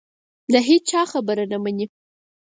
د هېچا خبره نه مني